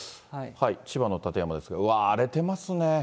千葉の館山ですけれども、うわー、荒れてますね。